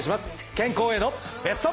健康へのベスト。